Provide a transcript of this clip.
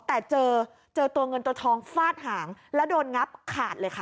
แต่เจอเจอตัวเงินตัวทองฟาดหางแล้วโดนงับขาดเลยค่ะ